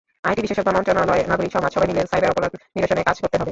IT বিশেষজ্ঞ, মন্ত্রণালয়, নাগরিক সমাজ—সবাই মিলে সাইবার অপরাধ নিরসনে কাজ করতে হবে।